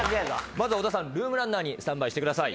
まず小田さんルームランナーにスタンバイしてください。